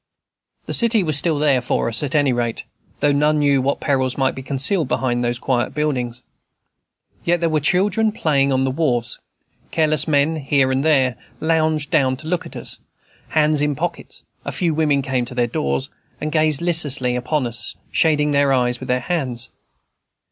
The city was still there for us, at any rate; though none knew what perils might be concealed behind those quiet buildings. Yet there were children playing on the wharves; careless men, here and there, lounged down to look at us, hands in pockets; a few women came to their doors, and gazed listlessly upon us, shading their eyes with their hands.